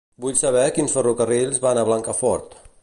Vull saber quins ferrocarrils van a Blancafort.